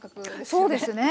そうですね。